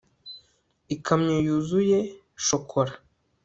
ikamyo yuzuye shokora